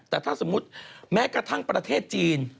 แต่ถ้าสมมุติแม้กระทั่งประเทศจีน